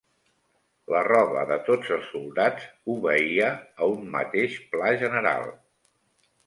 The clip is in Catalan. La roba de tots els soldats obeïa a un mateix pla general